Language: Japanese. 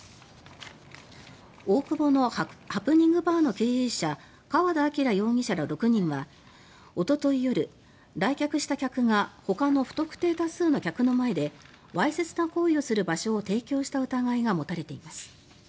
大久保のハプニングバーの経営者川田晃容疑者ら６人はおととい夜来店した客がほかの不特定多数の客の前でわいせつな行為をする場所を提供した疑いが持たれています。